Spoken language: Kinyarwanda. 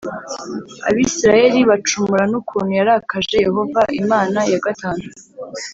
Abisirayeli bacumura n ukuntu yarakaje Yehova Imana ya gatanu